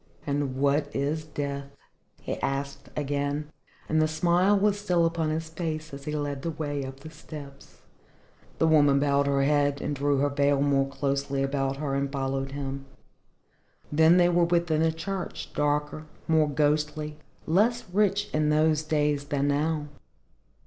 "And what is Death?" he asked again, and the smile was still upon his face as he led the way up the steps. The woman bowed her head and drew her veil more closely about her and followed him. Then they were within the church, darker, more ghostly, less rich in those days than now.